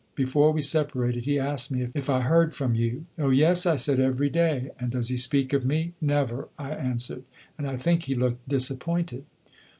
Before we separated he asked me if I heard from you. 'Oh, yes,' I said, 'every day.' 'And does he speak of me?' 'Never!' I answered; and I think he looked disappointed."